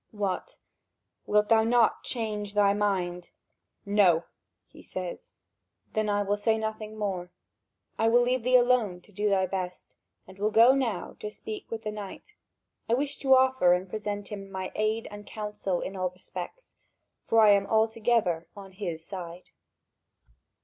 "What? Wilt thou not change thy mind?" "No," he says. "Then I will say nothing more. I will leave thee alone to do thy best and will go now to speak with the knight. I wish to offer and present to him my aid and counsel in all respects; for I am altogether on his side."